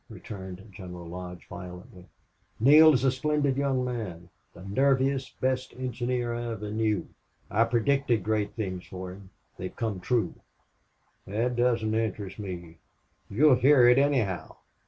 returned General Lodge, violently. "Neale is a splendid young man the nerviest, best engineer I ever knew. I predicted great things for him. They have come true." "That doesn't interest me." "You'll hear it, anyhow.